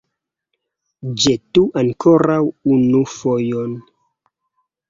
Ĵetu ankoraŭ unu fojon!